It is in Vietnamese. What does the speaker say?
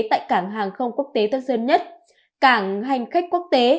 tại cảng hàng không quốc tế tân sơn nhất cảng hành khách quốc tế